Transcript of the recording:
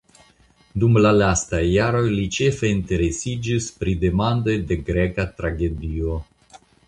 Dum la lastaj jaroj li ĉefe interesiĝis pri demandoj de greka tragedio.